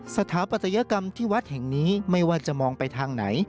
สถาปัตยกรรมที่วัดแห่งนี้ไม่ว่าจะมองไปทางไหน